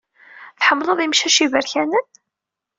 Tḥemmleḍ imcac iberkanen?